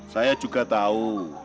saya juga tau